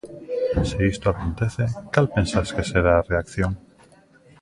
Se isto acontece, cal pensas que será a reacción?